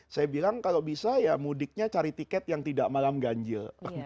saya bilang kalau bisa ya mudiknya cari tiket yang tidak malam ganjil